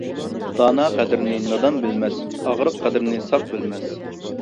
دانا قەدرىنى نادان بىلمەس، ئاغرىق قەدرىنى ساق بىلمەس.